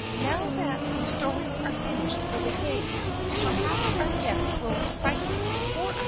"Now that the stories are finished for the day, perhaps our guest will recite it for us."